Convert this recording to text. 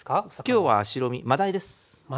今日は白身マダイです。